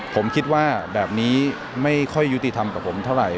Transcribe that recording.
ผมคิดว่าแบบนี้ไม่ค่อยยุติธรรมกับผมเท่าไหร